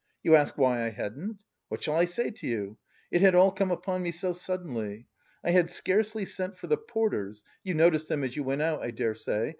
You ask why I hadn't? What shall I say to you? it had all come upon me so suddenly. I had scarcely sent for the porters (you noticed them as you went out, I dare say).